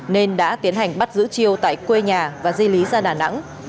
nên đã tiến hành bắt giữ chiêu tại quê nhà và di lý ra đà nẵng